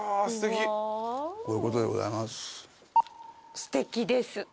すてきです。